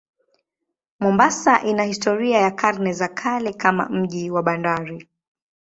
Mombasa ina historia ya karne za kale kama mji wa bandari.